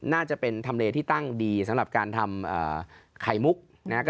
น่าจะเป็นทำเลที่ตั้งดีสำหรับการทำไข่มุกนะครับ